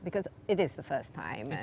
karena ini adalah pertama kali